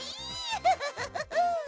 フフフフフ。